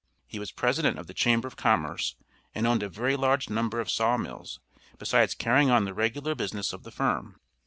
He was President of the Chamber of Commerce, and owned a very large number of saw mills, besides carrying on the regular business of the firm.